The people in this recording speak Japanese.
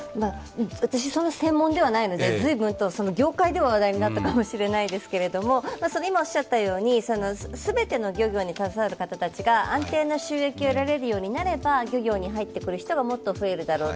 私、その専門ではないので、業界では話題になったかもしれないですけれども、全ての漁業に携わる方たちが安定的な収益をえられるようになれば漁業に入ってくる人ももっと増えるだろうと。